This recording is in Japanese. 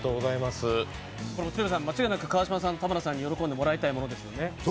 これ、間違いなく川島さんと田村さんに喜んでもらいたいものですよね。